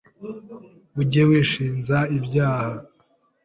Ujye wishinja ibyaha